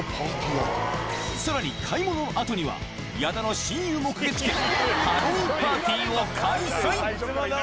さらに、買い物あとには、矢田の親友も駆けつけ、ハロウィーンパーティーを開催。